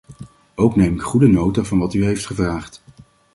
Ook neem ik goede nota van wat u heeft gevraagd.